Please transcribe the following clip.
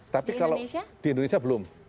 tapi kalau di indonesia belum